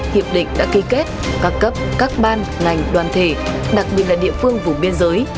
hiệp định đã ký kết các cấp các ban ngành đoàn thể đặc biệt là địa phương vùng biên giới